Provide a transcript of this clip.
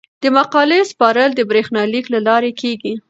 د مقالې سپارل د بریښنالیک له لارې کیږي.